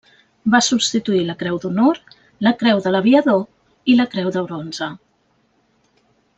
Va substituir la Creu d'Honor, la Creu de l'Aviador i la Creu de Bronze.